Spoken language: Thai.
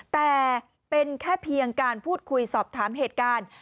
แต่เป็นแค่เพียงการพูดคุยสอบถามเหตุการณ์